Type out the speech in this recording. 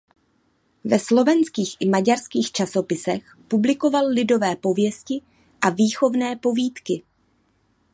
Ve slovenských i maďarských časopisech publikoval lidové pověsti a výchovné povídky.